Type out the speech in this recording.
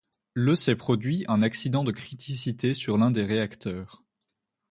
Le s'est produit un accident de criticité sur l'un des réacteurs.